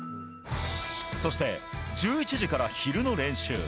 そして１１時から昼の練習。